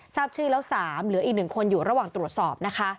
ทราบชื่อแล้ว๓เหลืออีก๑คนอยู่ระหว่างตรวจสอบนะคะ